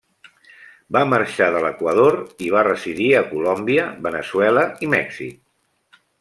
Va marxar de l'Equador i va residir a Colòmbia, Veneçuela i Mèxic.